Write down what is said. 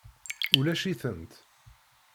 Ulac-itent.